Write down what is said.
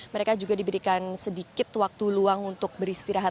mereka juga diberikan sedikit waktu luang untuk beristirahat